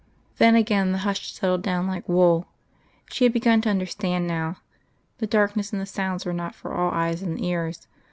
Then again the hush settled down like wool. She had begun to understand now. The darkness and the sounds were not for all eyes and ears.